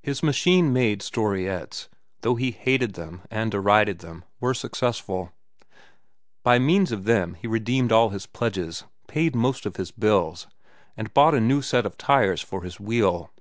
His machine made storiettes, though he hated them and derided them, were successful. By means of them he redeemed all his pledges, paid most of his bills, and bought a new set of tires for his wheel.